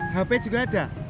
hp juga ada